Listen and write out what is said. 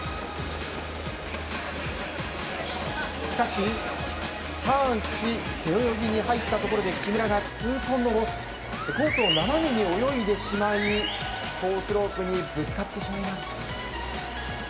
しかし、ターンし背泳ぎに入ったところで木村が痛恨のロスコースを斜めに泳いでしまいコースロープにぶつかってしまいます。